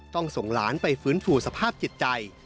ส่งหลานไปฟื้นฟูสภาพจิตใจ